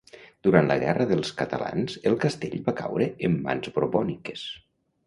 Durant la Guerra dels catalans el castell va caure en mans borbòniques.